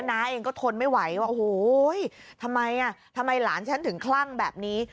น้าเองก็ทนไม่ไหวว่าโอ้โหทำไมทำไมหลานฉันถึงคลั่งแบบนี้